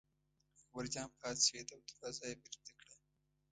اکبرجان پاڅېد او دروازه یې بېرته کړه.